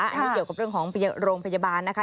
อันนี้เกี่ยวกับเรื่องของโรงพยาบาลนะคะ